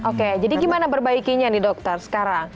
oke jadi gimana perbaikinya nih dokter sekarang